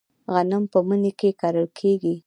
غنم په مني کې کرل کیږي.